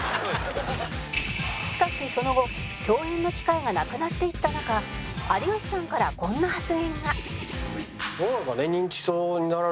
「しかしその後共演の機会がなくなっていった中有吉さんからこんな発言が」